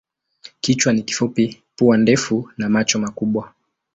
Kichwa ni kifupi, pua ndefu na macho makubwa.